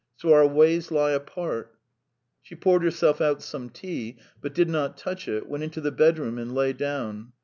So our ways lie apart." She poured herself out some tea, but did not touch it, went into the bedroom, and lay down.